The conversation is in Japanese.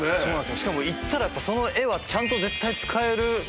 しかも行ったらその画はちゃんと絶対。